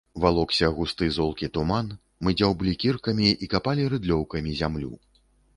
Валокся густы золкі туман, мы дзяўблі кіркамі і капалі рыдлёўкамі зямлю.